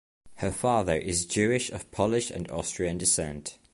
Her father is Jewish of Polish and Austrian descent.